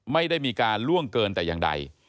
ไม่ได้มีการล่วงเกินแต่อย่างใด